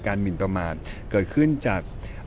การหมิลประมาณเกิดขึ้นจาก